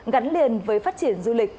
gắn liền với phát triển du lịch